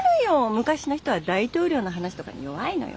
昔の人は大統領の話とかに弱いのよ。